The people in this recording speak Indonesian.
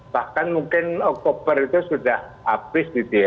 bahkan mungkin oktober itu sudah habis gitu ya